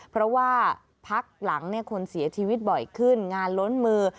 เพราะว่าพักหลังคนเสียชีวิตบ่อยขึ้นงานล้นมือ